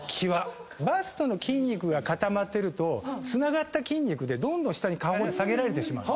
バストの筋肉が固まってるとつながった筋肉でどんどん下に顔も下げられてしまう。